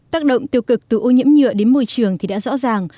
tác động tiêu cực từ ô nhiễm nhựa đến môi trường thì đã rõ ràng